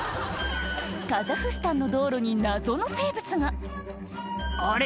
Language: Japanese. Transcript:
カザフスタンの道路に謎の生物が「あれ？